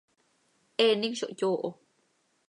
Eenim zo hyooho.